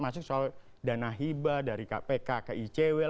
masuk soal dana hibah dari kpk ke icw